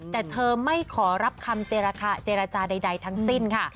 แต่เธอไม่ขอรับคำเจรจาใดทั้งสิ้นค่ะ